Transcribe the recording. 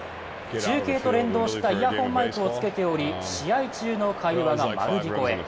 中継と連動したイヤホンマイクをつけており試合中の会話が丸聞こえ。